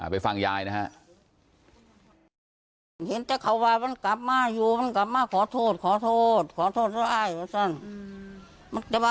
ไปฟังยายนะฮะ